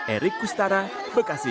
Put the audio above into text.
erik kustara bekasi